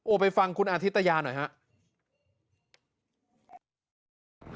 ไปฟังคุณอาทิตยาหน่อยครับ